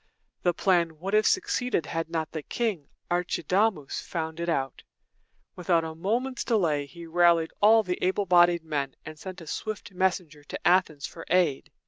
The plan would have succeeded had not the king, Ar chi da´mus, found it out. Without a moment's delay, he rallied all the able bodied men, and sent a swift messenger to Athens for aid.